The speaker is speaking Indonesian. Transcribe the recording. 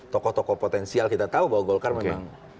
tokoh tokoh potensial kita tahu bahwa golkar memang